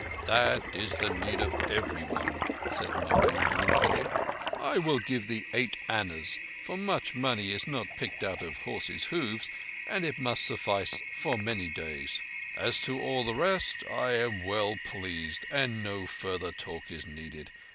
"That is the need of everyone," said Mahbub ruefully. "I will give thee eight annas, for much money is not picked out of horses' hooves, and it must suffice for many days. As to all the rest, I am well pleased, and no further talk is needed.